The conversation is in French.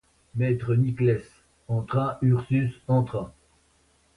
Maître Nicless entra, Ursus entra.